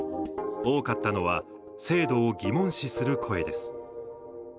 多かったのは制度を疑問視する声です。